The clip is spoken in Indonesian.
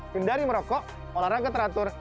hindari merokok olahraga teratur